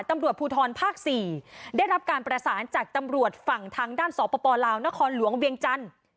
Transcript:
ตำรวจภูทรภาค๔ได้รับการประสานจากตำรวจฝั่งทางด้านสปลาวนครหลวงเวียงจันทร์